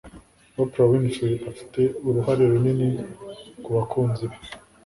Oprah Winfrey afite uruhare runini kubakunzi be